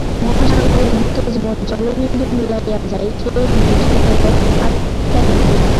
মহাসাগরের বুকে যেমন জলবিন্দু মিলাইয়া যায়, সেইরূপ বিশ্ব জগৎ আত্মায় বিলীন হইবে।